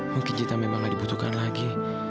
mungkin kita memang gak dibutuhkan lagi